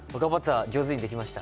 上手にできました。